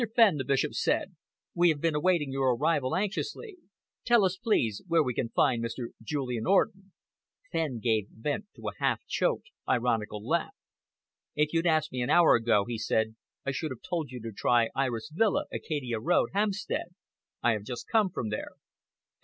Fenn," the Bishop said, "we have been awaiting your arrival anxiously. Tell us, please, where we can find Mr. Julian Orden." Fenn gave vent to a half choked, ironical laugh. "If you'd asked me an hour ago," he said, "I should have told you to try Iris Villa, Acacia Road, Hampstead. I have just come from there."